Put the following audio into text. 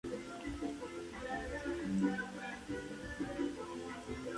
La votación se realiza por pares de paneles de jueces.